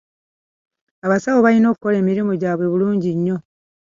Abasawo balina okukola emirimu gyabwe bulungi nnyo.